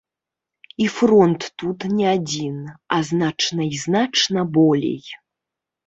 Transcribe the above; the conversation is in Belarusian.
І фронт тут не адзін, а значна і значна болей.